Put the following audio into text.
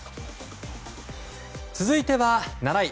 続いては７位。